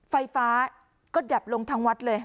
ไฟฟ้าก็ดับลงทั้งวัดเลย